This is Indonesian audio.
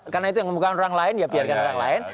karena itu yang memukakan orang lain ya biarkan orang lain